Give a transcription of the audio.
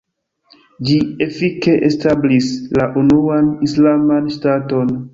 Ĝi efike establis la unuan islaman ŝtaton.